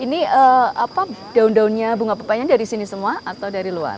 ini apa daun daunnya bunga pepanya dari sini semua atau dari luar